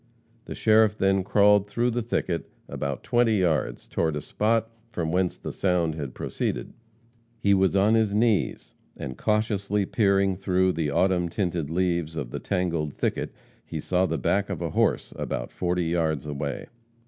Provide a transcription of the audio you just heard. The sheriff then crawled through the thicket about twenty yards toward the spot from whence the sound had proceeded. He was on his knees, and, cautiously peering through the autumn tinted leaves of the tangled thicket, he saw the back of a horse, about forty yards away.